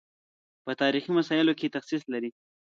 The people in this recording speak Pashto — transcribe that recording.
په تاریخي مسایلو کې تخصص لري.